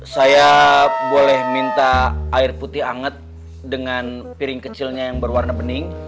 saya boleh minta air putih anget dengan piring kecilnya yang berwarna bening